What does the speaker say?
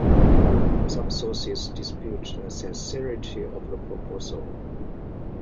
Some sources dispute the sincerity of the proposal.